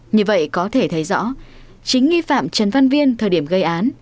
như vậy có thể thấy rõ chính nghi phạm trần văn viên thời điểm gây án